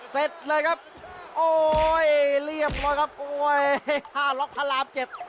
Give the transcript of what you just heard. เสร็จเลยครับโอ้ยเรียบร้อยครับมวยท่าล็อกพระรามเจ็ด